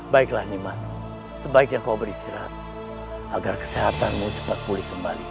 baiklah nih mas sebaiknya kau beristirahat agar kesehatanmu cepat pulih kembali